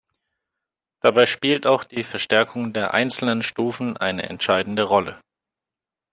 Dabei spielt auch die Verstärkung der einzelnen Stufen eine entscheidende Rolle.